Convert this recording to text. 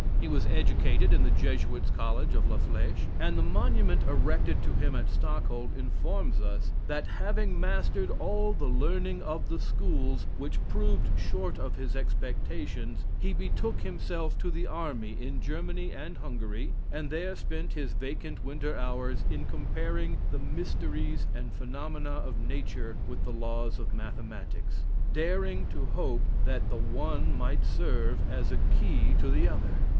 He was educated in the Jesuits' College of La Flèche; and the monument erected to him at Stockholm informs us, "That having mastered all the learning of the schools, which proved short of his expectations, he betook himself to the army in Germany and Hungary, and there spent his vacant winter hours in comparing the mysteries and phenomena of nature with the laws of mathematics, daring to hope that the one might serve as a key to the other.